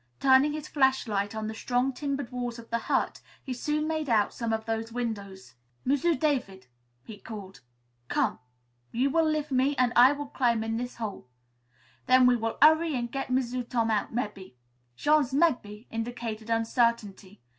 Turning his flashlight on the strong timbered walls of the hut, he soon made out one of those windows. "M'sieu' David," he called, "come. You will lif' me an' I will clim' in this hole. Then we 'urry an' get M'sieu' Tom out, mebbe." Jean's "mebbe" indicated uncertainty.